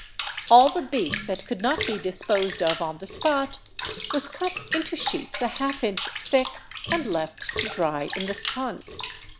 All the beef that could not be disposed of on the spot was cut into sheets a half inch thick, and left to dry in the sun.